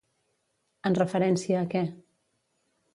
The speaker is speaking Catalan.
En referència a què?